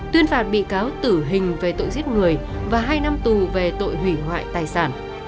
tuyên phạt bị cáo tử hình về tội giết người và hai năm tù về tội hủy hoại tài sản